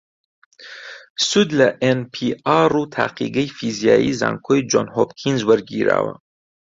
سود لە ئێن پی ئاڕ و تاقیگەی فیزیایی زانکۆی جۆن هۆپکینز وەرگیراوە